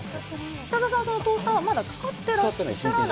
北澤さん、そのコースターはまだ使ってらっしゃらない？